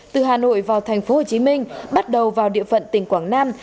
từ hà nội vào thành phố hồ chí minh bắt đầu vào địa phận tỉnh quảng nam